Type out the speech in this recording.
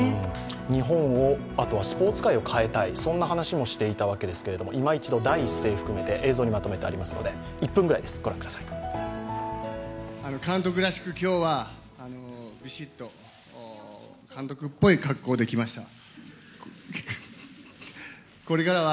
日本を、あとはスポーツ界を変えたい、そんな話もしていたわけですけどいま一度、第一声を含めて映像にまとめてありますので、御覧ください。らしいコメントですよね。